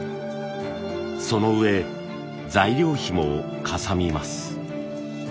そのうえ材料費もかさみます。